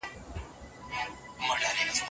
اختلاف باید په سوله ییزه توګه حل سي.